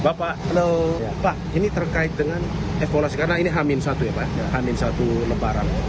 bapak ini terkait dengan evaluasi karena ini hamin satu ya pak hamin satu lebaran